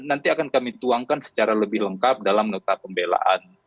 nanti akan kami tuangkan secara lebih lengkap dalam nota pembelaan